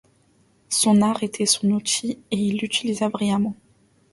Son art était son outil, et il l'utilisa brillamment.